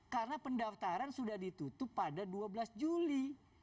karena pendaftaran sudah ditutup pada dua belas juli